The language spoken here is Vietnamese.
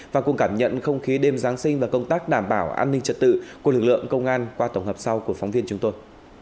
và cùng cảm nhận không khí đêm giáng sinh và công tác đảm bảo an ninh trật tự của lực lượng công an qua tổng hợp sau của phóng viên chúng tôi